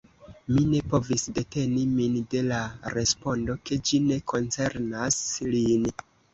Mi ne povis deteni min de la respondo, ke ĝi ne koncernas lin.